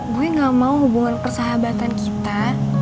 gue gak mau hubungan persahabatan kita